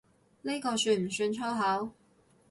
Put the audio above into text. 呢個算唔算粗口？